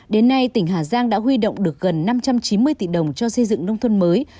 đến nay tỉnh hà giang đã huy động được gần năm trăm chín mươi tỷ đồng cho xây dựng nông thôn mới